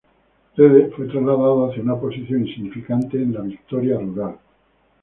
Rede fue trasladado hacia una posición insignificante en la Victoria rural.